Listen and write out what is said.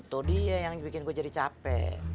atau dia yang bikin gue jadi capek